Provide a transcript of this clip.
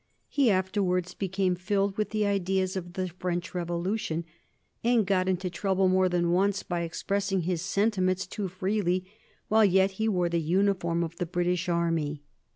He afterwards became filled with the ideas of the French Revolution, and got into trouble more than once by expressing his sentiments too freely while yet he wore the uniform of the British army.